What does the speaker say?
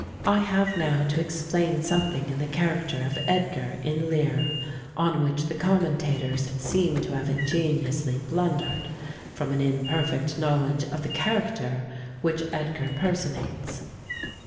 I have now to explain something in the character of Edgar in Lear, on which the commentators seem to have ingeniously blundered, from an imperfect knowledge of the character which Edgar personates.